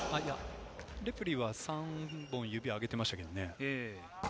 レフェリーは３本指を上げていましたけどね。